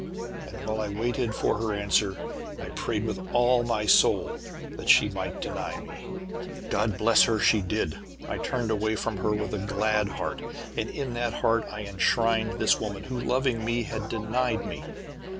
"And, while I waited for her answer, I prayed with all my soul that she might deny me. "God bless her! She did! I turned away from her with a glad heart, and in that heart I enshrined this woman, who, loving me, had denied me.